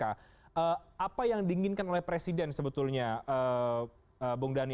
apa yang diinginkan oleh presiden sebetulnya bung dhani